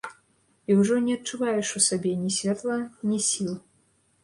І ўжо не адчуваеш ў сабе ні святла, ні сіл.